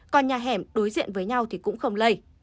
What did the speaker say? còn nhà hẻm đối diện với nhau thì cũng không lây